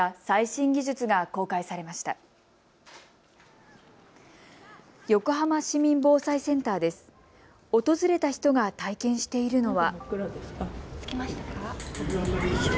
訪れた人が体験しているのは。